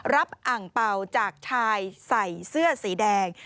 อ่างเป่าจากชายใส่เสื้อสีแดง